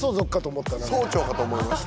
みんな総長かと思いました